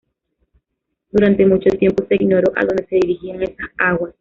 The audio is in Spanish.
Durante mucho tiempo se ignoró a dónde se dirigían esas aguas.